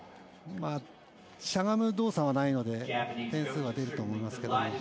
しゃがむ動作はないので点数は出ると思いますけど。